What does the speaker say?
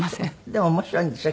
でも面白いんでしょ？